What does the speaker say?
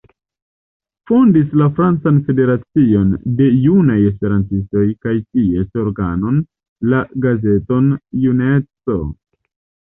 Fondis la Francan Federacion de Junaj Esperantistoj, kaj ties organon, la gazeton „juneco“.